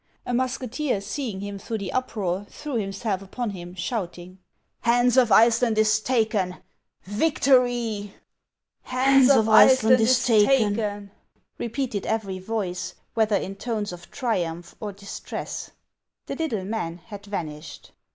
A mus keteer, seeing him through the uproar, threw himself upon him, shouting, " Hans of Iceland is taken ! Victory !'" Hans of Iceland is taken !" repeated every voice, whether in tones of triumph or distress. The little man had vanished.